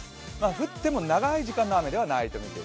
降っても長い時間の雨ではないです。